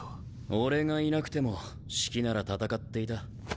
俺がいなくてもシキなら戦っていた。